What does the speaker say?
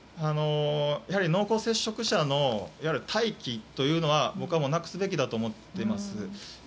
濃厚接触者の待機というのは僕はなくすべきだと思っています。